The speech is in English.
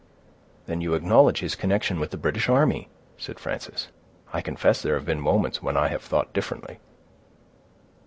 "Then you acknowledge his connection with the British army," said Frances. "I confess there have been moments when I have thought differently."